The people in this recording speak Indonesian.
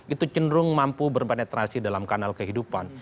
itu cenderung mampu berpenetrasi dalam kanal kehidupan